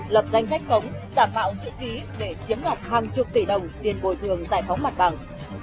lập danh sách khống giả mạo chữ ký để chiếm đoạt hàng chục tỷ đồng tiền bồi thường giải phóng mặt bằng